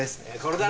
これだな。